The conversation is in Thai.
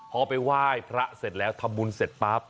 พอไปไหว้พระเสร็จแล้วทำบุญเสร็จปั๊บ